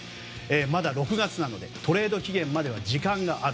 まだ６月でトレード期限まで時間がある。